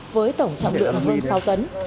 với tổng trọng lượng hơn sáu tấn